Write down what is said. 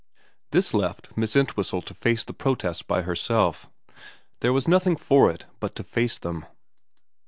This left Miss Entwhistle to face the protests by herself. There was nothing for it but to face them.